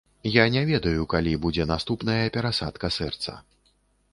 Я не ведаю, калі будзе наступная перасадка сэрца.